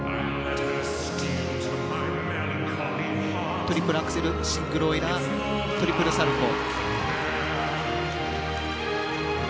トリプルアクセルシングルオイラートリプルサルコウ。